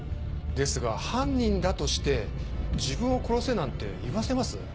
ですが犯人だとして自分を殺せなんて言わせます？